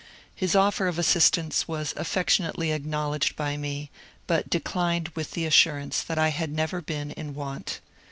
His offer of as sistance was affectionately acknowledged by me, but declined with the assurance that I had never been in want.